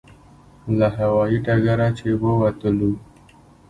له هوایي ډګره چې ووتلو.